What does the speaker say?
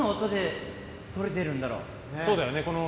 そうだよねこの。